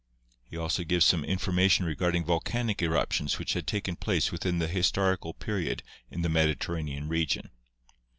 He also gives some information regarding volcanic eruptions which had taken place within the historical period in the Mediterranean region.